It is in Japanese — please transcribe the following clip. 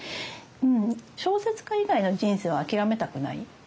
うん小説家以外の人生を諦めたくない。